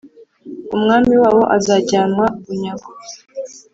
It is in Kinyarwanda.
umwami wabo azajyanwa bunyago,